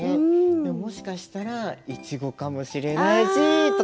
でももしかしたらイチゴかもしれないしとか。